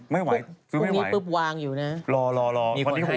ไม่ไหวซื้อไม่ไหวตรงนี้ปุ๊บวางอยู่นะ